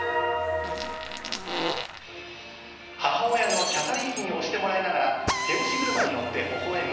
母親のキャサリン妃に押してもらいながら、手押し車に乗ってほほ笑む